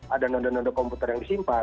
ada noda noda komputer yang disimpan